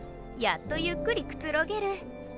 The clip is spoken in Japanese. やっとゆっくりくつろげる。